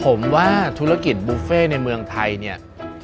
ผมว่าธุรกิจบูฟเฟ้ในเมืองไทย